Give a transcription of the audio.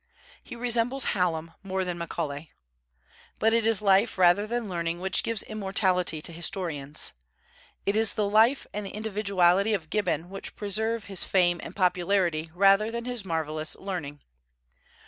He resembles Hallam more than Macaulay. But it is life rather than learning which gives immortality to historians. It is the life and the individuality of Gibbon which preserve his fame and popularity rather than his marvellous learning.